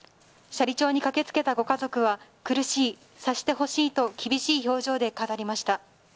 斜里町に駆けつけたご家族は苦しい察してほしいと厳しい表情で語りました。